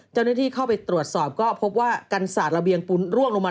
เจ้าหน้าที่เข้าไปตรวจสอบก็พบว่ากันศาสตร์ระเบียงปูนร่วงลงมา